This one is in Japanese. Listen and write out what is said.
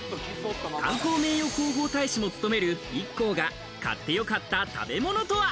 観光名誉広報大使も務めるＩＫＫＯが買ってよかった食べ物とは？